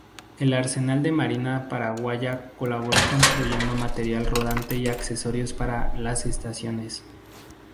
El Arsenal de Marina paraguaya colaboró construyendo material rodante y accesorios para las estaciones.